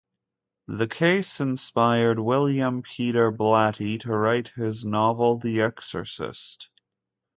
The case inspired William Peter Blatty to write his novel "The Exorcist".